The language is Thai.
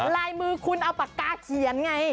ลายมือคุณเอาปากกาเขียนไง